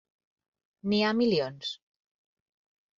N'hi ha milions.